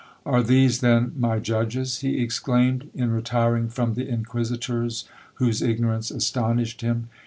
"Are these then my judges?" he exclaimed, in retiring from the inquisitors, whose ignorance astonished him.